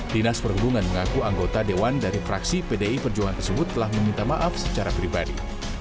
dinas perhubungan mengaku anggota dewan dari fraksi pdi perjuangan tersebut telah meminta maaf secara pribadi